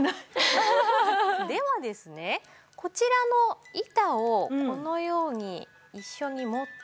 ではですねこちらの板をこのように一緒に持って。